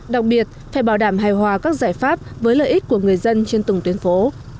đặc biệt phải bảo đảm hài hòa các giải pháp với lợi ích của người dân trên từng tuyến phố